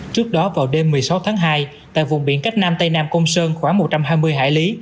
trước đó vào đêm một mươi sáu tháng hai tại vùng biển cách nam tây nam công sơn khoảng một trăm hai mươi hải lý